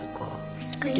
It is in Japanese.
確かに。